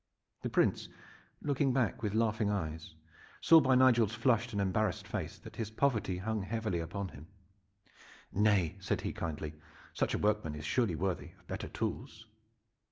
The Prince, looking back with laughing eyes, saw by Nigel's flushed and embarrassed face that his poverty hung heavily upon him. "Nay," said he kindly, "such a workman is surely worthy of better tools."